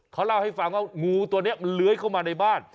เขาเล่าให้ฟังว่างูตัวนี้มันเลื้อยเข้ามาในบ้าน